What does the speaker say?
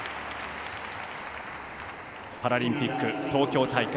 パラリンピック東京大会。